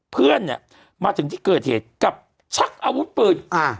เพื่อนเนี่ยมาถึงที่เกิดเหตุกับชักอาวุธปืนอ่า